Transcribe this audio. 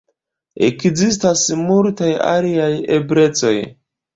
Ekzistas multaj aliaj eblecoj.